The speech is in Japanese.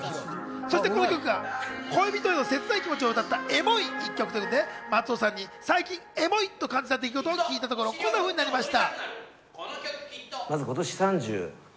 そしてこの曲が恋人へのせつない気持ちを歌ったエモい１曲ということで、松尾さんに最近エモいと感じた出来事を聞いたところ、こんなふうに語っていました。